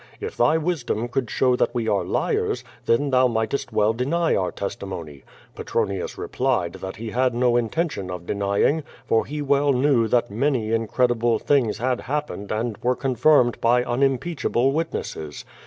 If thy wisdom could show that we are liars, tlien thou mightest well deny our tes timony.' Petronius replied that he had no intention of de nying, for he well knew that many incredible things had hap pened and were confirmed by unimpeachable witnesses.